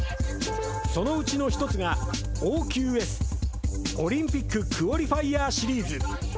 そのうちの一つがＯＱＳ＝オリンピック・クオリファイア・シリーズ。